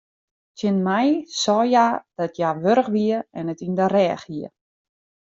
Tsjin my sei hja dat hja wurch wie en it yn de rêch hie.